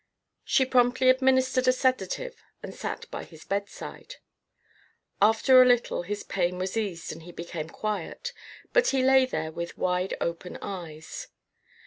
She promptly administered a sedative and sat by his bedside. After a little his pain was eased and he became quiet, but he lay there with wide open eyes.